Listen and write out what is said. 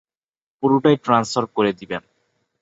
পুরোটাই ট্রান্সফার করে দিবেন।